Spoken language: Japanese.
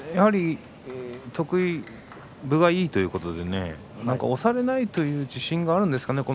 分がいいということで押されないという自信があるんですかね。